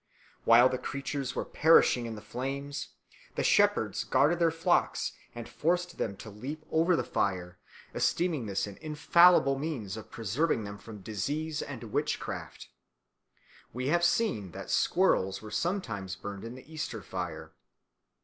While the creatures were perishing in the flames, the shepherds guarded their flocks and forced them to leap over the fire, esteeming this an infallible means of preserving them from disease and witchcraft. We have seen that squirrels were sometimes burned in the Easter fire.